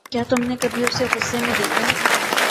کیا تم نے کبھی اسے غصے میں دیکھا ہے؟